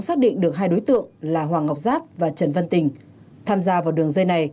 xác định được hai đối tượng là hoàng ngọc giáp và trần văn tình tham gia vào đường dây này